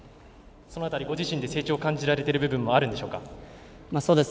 その辺りご自身で成長を感じられている部分もありますか。